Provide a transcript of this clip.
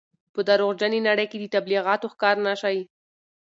په درواغجنې نړۍ کې د تبلیغاتو ښکار نه شئ.